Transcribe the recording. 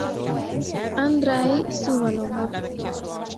Andrej Šuvalov